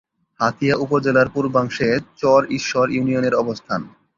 হাতিয়া উপজেলার পূর্বাংশে চর ঈশ্বর ইউনিয়নের অবস্থান।